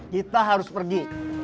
kita harus pergi